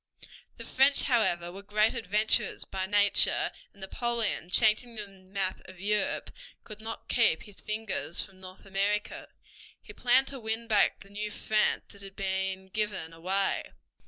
The French, however, were great adventurers by nature, and Napoleon, changing the map of Europe, could not keep his fingers from North America. He planned to win back the New France that had been given away.